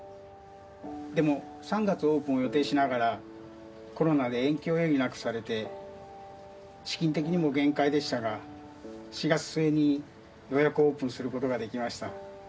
でも３月オープンを予定しながらコロナで延期を余儀なくされて資金的にも限界でしたが４月末にようやくオープンすることができました。